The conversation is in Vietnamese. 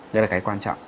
đó là cái quan trọng